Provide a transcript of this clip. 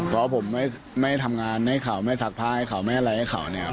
เพราะผมไม่ทำงานให้เขาไม่ซักผ้าให้เขาไม่อะไรให้เขาเนี่ยครับ